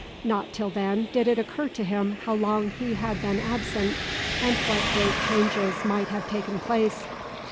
Not till then did it occur to him how long he had been absent, and what great changes might have taken place.